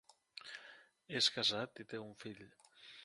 És casat i té un fill.